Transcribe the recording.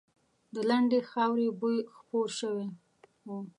د لندې خاورې بوی خپور شوی و.